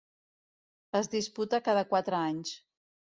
Es disputa cada quatre anys.